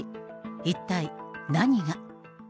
一体、何が？